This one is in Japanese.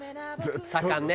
左官ね！